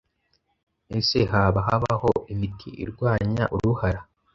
Ese haba habaho imiti irwanya uruhara?